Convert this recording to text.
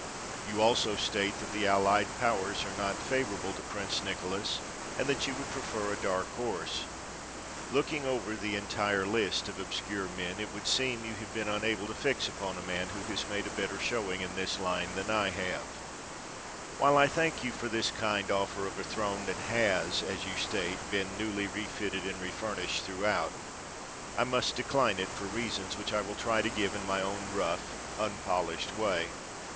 You also state that the Allied Powers are not favorable to Prince Nicholas and that you would prefer a dark horse. Looking over the entire list of obscure men, it would seem you have been unable to fix upon a man who has made a better showing in this line than I have. While I thank you for this kind offer of a throne that has, as you state, been newly refitted and refurnished throughout, I must decline it for reasons which I will try to give in my own rough, unpolished way.